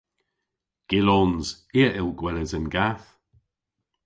Gyllons. I a yll gweles an gath.